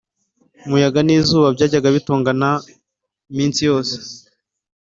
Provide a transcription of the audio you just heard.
umuyaga n'izuba byajyaga bitongana iminsi yose